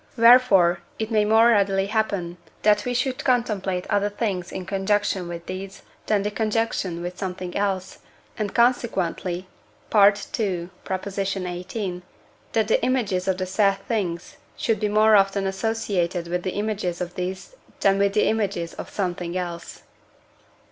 Wherefore it may more readily happen, that we should contemplate other things in conjunction with these than in conjunction with something else, and consequently (II. xviii.) that the images of the said things should be more often associated with the images of these than with the images of something else.